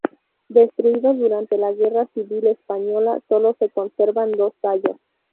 Destruido durante la guerra civil española, sólo se conservan dos tallas.